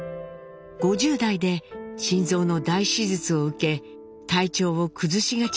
５０代で心臓の大手術を受け体調を崩しがちになります。